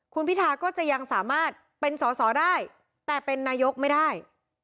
คุณพิทาก็จะยังสามารถเป็นสอสอได้แต่เป็นนายกไม่ได้